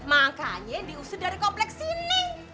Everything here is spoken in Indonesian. makanya diusir dari kompleks sini